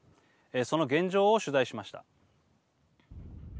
その現状を取材しました。